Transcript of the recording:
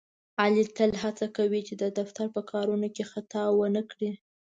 علي تل ډېره هڅه کوي، چې د دفتر په کارونو کې خطا ونه کړي.